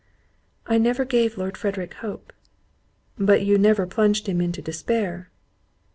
"I never gave Lord Frederick hope." "But you never plunged him into despair."